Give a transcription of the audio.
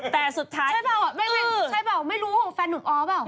แต่สุดท้ายอืมใช่เปล่าไม่รู้แฟนหนุ่มอ๋อเปล่า